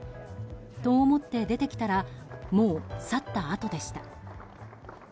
と、思って出てきたらもう去ったあとでした。